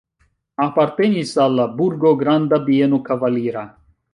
Apartenis al la burgo granda bieno kavalira.